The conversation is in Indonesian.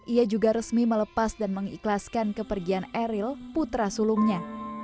ia juga resmi melepas dan mengikhlaskan kepergian eril putra sulungnya